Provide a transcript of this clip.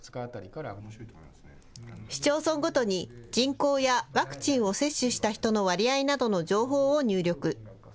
市町村ごとに、人口やワクチンを接種した人の割合などの情報を入力。